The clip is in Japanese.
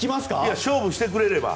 勝負してくれれば。